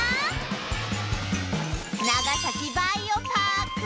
長崎バイオパーク